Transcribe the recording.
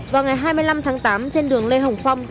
vào ngày hai mươi năm tháng tám trên đường lê hồng phong